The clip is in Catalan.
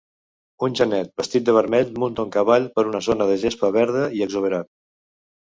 Un genet vestit de vermell munta un cavall per una zona de gespa verda i exuberant.